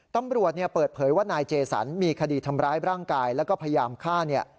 ตำรวจเปิดเผยว่านายเจสันมีคดีทำร้ายร่างกายแล้วก็พยายามฆ่าเนี่ย